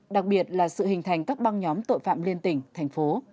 đặc biệt là sự hình thành các băng nhóm tội phạm liên tỉnh thành phố